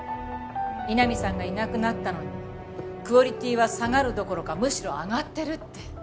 井波さんがいなくなったのにクオリティーは下がるどころかむしろ上がってるって。